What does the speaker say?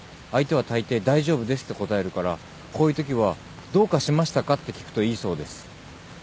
相手はたいてい「大丈夫です」って答えるからこういうときは「どうかしましたか？」って聞くといいそうです。